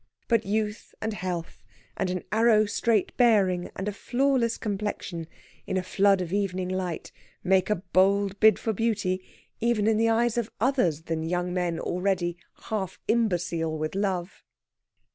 But youth and health, and an arrow straight bearing, and a flawless complexion, in a flood of evening light, make a bold bid for beauty even in the eyes of others than young men already half imbecile with love.